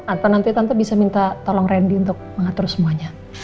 atau nanti tante bisa minta tolong randy untuk mengatur semuanya